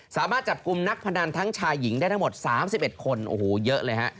สามารถจับกลุ่มนักพนันทั้งชายหญิงได้ทั้งหมด๓๑คนโอ้โหเยอะเลยฮะ